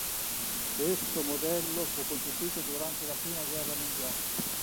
Questo modello fu concepito durante la Prima Guerra Mondiale.